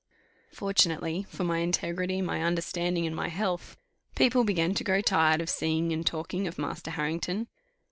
Fortunately for my integrity, my understanding, and my health, people began to grow tired of seeing and talking of Master Harrington.